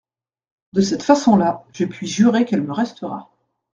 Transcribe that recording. De cette façon-là, je puis jurer qu'elle me restera.